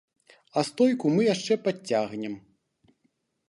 А стойку мы яшчэ падцягнем.